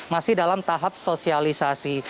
yang sudah diperlukan untuk memperbaiki vaksinasi